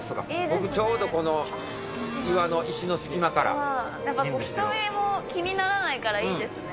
僕、ちょうどこの、岩の、石の隙やっぱ人目も気にならないから、いいですね。